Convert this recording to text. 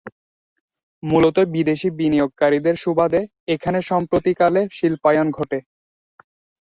মূলত বিদেশী বিনিয়োগকারীদের সুবাদে এখানে সাম্প্রতিককালে শিল্পায়ন ঘটে।